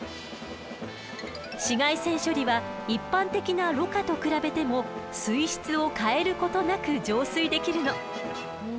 紫外線処理は一般的なろ過と比べても水質を変えることなく浄水できるの。